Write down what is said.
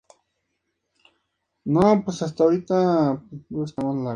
El público recibió su actuación con un caluroso aplauso.